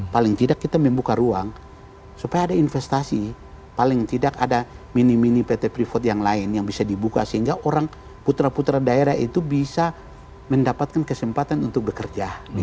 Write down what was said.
paling tidak kita membuka ruang supaya ada investasi paling tidak ada mini mini pt freeport yang lain yang bisa dibuka sehingga orang putra putra daerah itu bisa mendapatkan kesempatan untuk bekerja